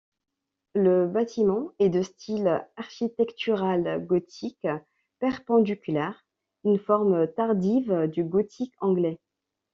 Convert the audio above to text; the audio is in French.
Le bâtiment est de style architectural gothique perpendiculaire, une forme tardive du gothique anglais.